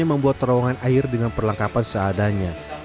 dan juga membuat terowongan air dengan perlengkapan seadanya